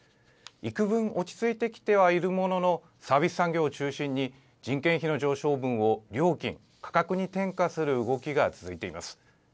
いくぶん落ち着いてきてはいるものの、サービス産業を中心に人件費の上昇分を料金、価格に転嫁する動きが続いています。